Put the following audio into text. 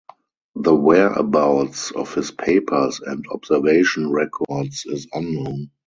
The whereabouts of his papers and observation records is unknown.